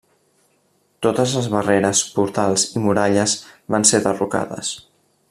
Totes les barreres, portals i muralles van ser derrocades.